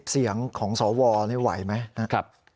๖๐เสียงของสวนี่ไหวไหม